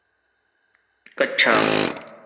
تم کون ہو؟